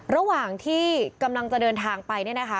ระหว่างที่กำลังจะเดินทางไปเนี่ยนะคะ